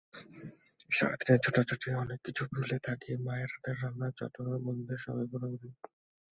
সারা দিনের ছোটাছুটিতে অনেক কিছু ভুলে থাকি—মায়ের হাতের রান্না, চট্টগ্রামে বন্ধুদের সঙ্গে ঘোরাঘুরি।